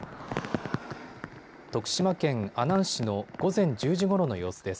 徳島県阿南市の午前１０時ごろの様子です。